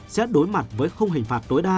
sẽ đối mặt với không hình phạt tối đa